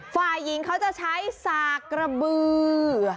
ฝ่ายหญิงเขาจะใช้สากกระบือ